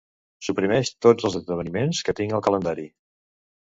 Suprimeix tots els esdeveniments que tinc al calendari.